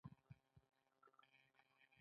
نورې پیسې د پانګې پراخوالي لپاره ساتي